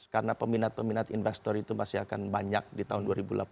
karena peminat peminat investor itu masih akan banyak di tahun dua ribu delapan belas